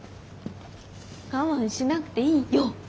我慢しなくていいよ。